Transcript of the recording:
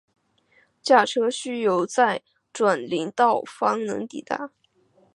驾车需由再转林道方能抵达。